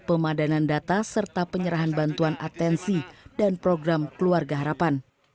pemadanan data serta penyerahan bantuan atensi dan program keluarga harapan